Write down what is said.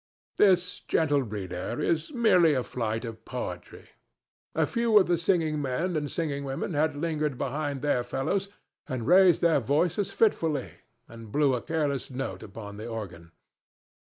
This, gentle reader, is merely a flight of poetry. A few of the singing men and singing women had lingered behind their fellows and raised their voices fitfully and blew a careless note upon the organ.